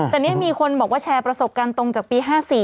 แต่นี่มีคนบอกว่าแชร์ประสบการณ์ตรงจากปี๕๔